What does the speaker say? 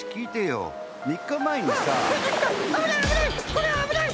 これあぶない！